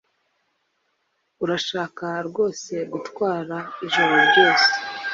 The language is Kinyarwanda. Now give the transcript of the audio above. Urashaka rwose gutwara ijoro ryose?